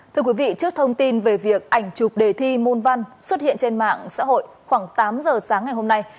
thưa quý vị trước thông tin về việc ảnh chụp đề thi môn văn xuất hiện trên mạng xã hội khoảng tám giờ sáng ngày hôm nay